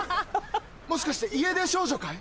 もしかして家出少女かい？